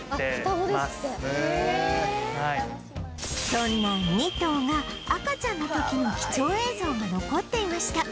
そんな２頭が赤ちゃんの時の貴重映像が残っていました